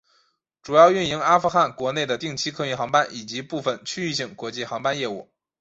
主要运营阿富汗国内的定期客运航班以及部分区域性国际航班业务。